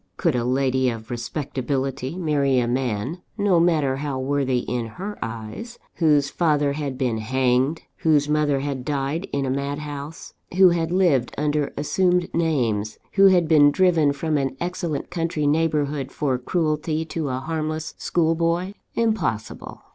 Could a lady of respectability marry a man (no matter how worthy in her eyes) whose father had been hanged, whose mother had died in a madhouse, who had lived under assumed names, who had been driven from an excellent country neighbourhood, for cruelty to a harmless school boy? Impossible!